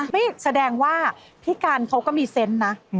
แสดงว่าพี่การเขาก็มีเซนต์นะ